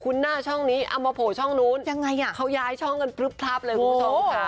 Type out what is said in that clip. คุณหน้าช่องนี้เอามาโผล่ช่องนู้นยังไงอ่ะเขาย้ายช่องกันพลึบพลับเลยคุณผู้ชมค่ะ